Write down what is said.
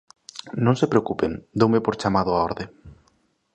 Non se preocupen, doume por chamado á orde.